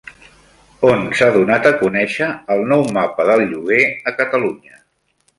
On s'ha donat a conèixer el nou Mapa del Lloguer a Catalunya?